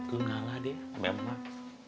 lo ngalah deh mbak